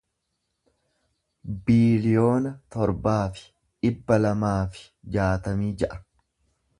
biiliyoona torbaa fi dhibba lamaa fi jaatamii ja'a